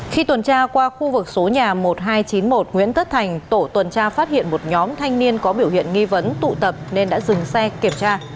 khi tuần tra qua khu vực số nhà một nghìn hai trăm chín mươi một nguyễn tất thành tổ tuần tra phát hiện một nhóm thanh niên có biểu hiện nghi vấn tụ tập nên đã dừng xe kiểm tra